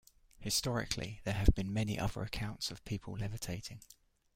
Historically, there have been many other accounts of people levitating.